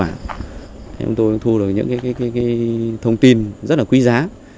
anh em chúng tôi đã thu được những thông tin rất là quý giá